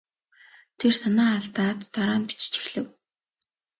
Тэр санаа алдаад дараа нь бичиж эхлэв.